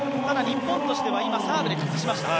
日本としてはサーブで崩しました